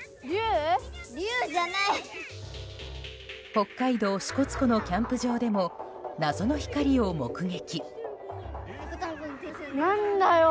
北海道支笏湖のキャンプ場でも謎の光を目撃。